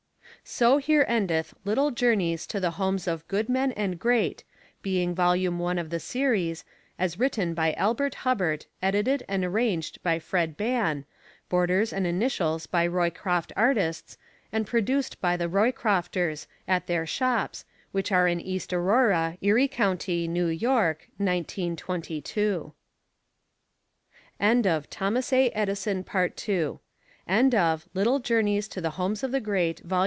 SO HERE ENDETH "LITTLE JOURNEYS TO THE HOMES OF GOOD MEN AND GREAT," BEING VOLUME ONE OF THE SERIES, AS WRITTEN BY ELBERT HUBBARD: EDITED AND ARRANGED BY FRED BANN; BORDERS AND INITIALS BY ROYCROFT ARTISTS AND PRODUCED BY THE ROYCROFTERS, AT THEIR SHOPS, WHICH ARE IN EAST AURORA, ERIE COUNTY, NEW YORK, MCMXXII End of the Project Gutenberg EBook of Little Journeys to the Homes of the Great, Vol.